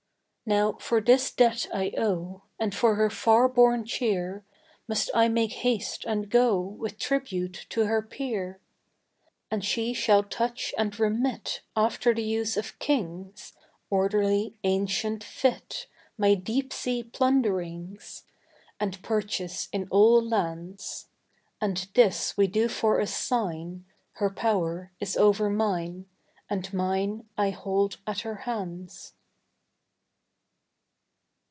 Now for this debt I owe, And for her far borne cheer Must I make haste and go With tribute to her pier. And she shall touch and remit After the use of kings (Orderly, ancient, fit) My deep sea plunderings, And purchase in all lands. And this we do for a sign Her power is over mine, And mine I hold at her hands.